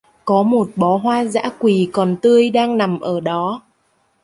Có một bó hoa dã quỳ còn tươi đang nằm ở đó